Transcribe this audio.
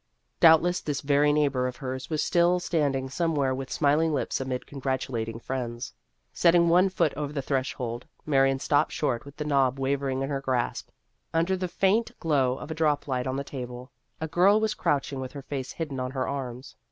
Doubtless this very neighbor of hers was still standing somewhere with smiling lips amid congratulating friends. Setting one foot over the threshold, Marion stopped short with the knob wa vering in her grasp. Under the faint glow of a droplight on the table, a girl was crouching with her face hidden on her arms.